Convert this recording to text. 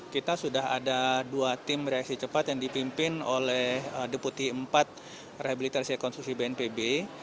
kita sudah ada dua tim reaksi cepat yang dipimpin oleh deputi empat rehabilitasi konstruksi bnpb